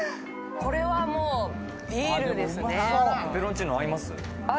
これはもうビールですね。